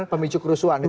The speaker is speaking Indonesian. pemicu kerusuhan gitu ya